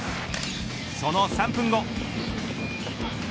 その３分後。